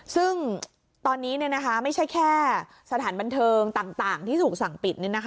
ซึ่งตอนนี้ไม่ใช่แค่สถานบันเทิงต่างที่ถูกสั่งปิด